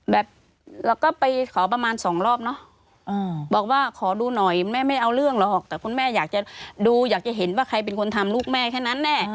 แบบเราก็ไปขอประมาณสองรอบเนอะบอกว่าขอดูหน่อยแม่ไม่เอาเรื่องหรอกแต่คุณแม่อยากจะดูอยากจะเห็นว่าใครเป็นคนทำลูกแม่แค่นั้นแน่